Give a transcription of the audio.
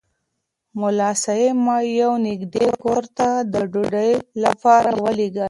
ملا صاحب ما یو نږدې کور ته د ډوډۍ لپاره ولېږلم.